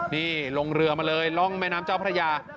นี่ลงเรือมาเลยร่องแม่น้ำเจ้าพระยา